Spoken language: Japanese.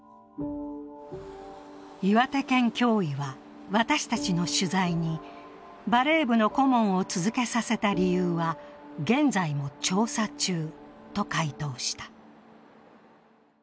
岩手県教委は、私たちの取材に、バレー部の顧問を続けさせた理由は現在も調査中と回答した。